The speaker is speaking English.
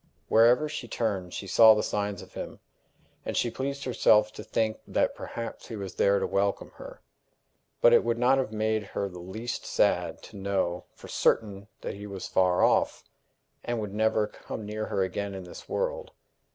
Whereever she turned she saw the signs of him, and she pleased herself to think that perhaps he was there to welcome her. But it would not have made her the least sad to know for certain that he was far off, and would never come near her again in this world.